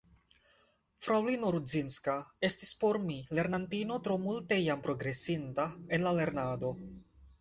Fraŭlino Rudzinska estis por mi lernantino tro multe jam progresinta en la lernado.